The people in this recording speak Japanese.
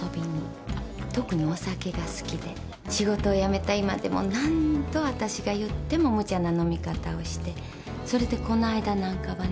特にお酒が好きで仕事を辞めた今でも何度わたしが言ってもむちゃな飲み方をしてそれでこの間なんかはね。